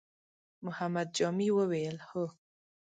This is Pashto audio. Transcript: محمد جامي وويل: هو!